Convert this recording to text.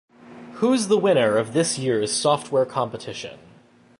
Who's the winner of this year's software competition?